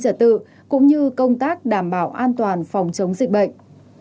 an ninh trật tự cũng như công tác đảm bảo an toàn phòng chống dịch bệnh